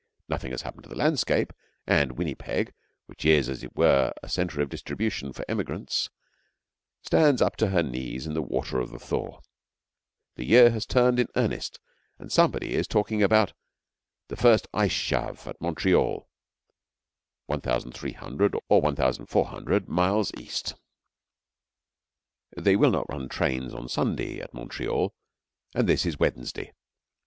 Nothing has happened to the landscape, and Winnipeg, which is, as it were, a centre of distribution for emigrants, stands up to her knees in the water of the thaw. The year has turned in earnest, and somebody is talking about the 'first ice shove' at Montreal, 1300 or 1400 miles east. They will not run trains on Sunday at Montreal, and this is Wednesday.